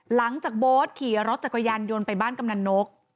หลังจากโบ๊ทขี่รถจักรยันย์โยนไปบ้านกำนันนก